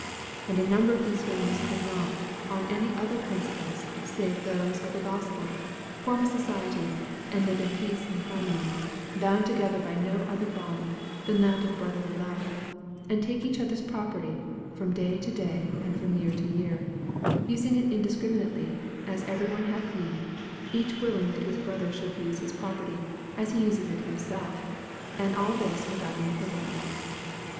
And a number of these families could not, on any other principles save those of the Gospel, form a society, and live in peace and harmony, bound together by no other bond than that of brotherly love, and take of each other's property, from day to day and from year to year, using it indiscriminately, as every one hath need, each willing that his brother should use his property, as he uses it himself, and all this without an equivalent.